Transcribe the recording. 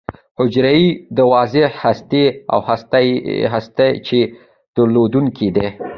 حجرې یې د واضح هستې او هسته چي درلودونکې دي.